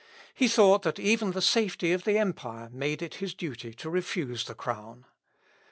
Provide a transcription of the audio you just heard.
He thought that even the safety of the empire made it his duty to refuse the crown.